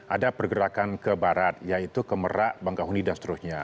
ada pergerakan ke barat yaitu ke merak bangkahuni dan seterusnya